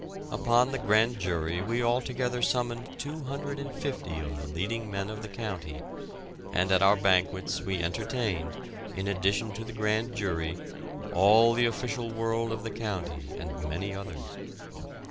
Upon the grand jury we altogether summoned 250 of the leading men of the county, and at our banquets we entertained, in addition to the grand jury, all the official world of the county and many others.